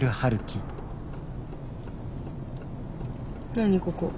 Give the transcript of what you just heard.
何ここ。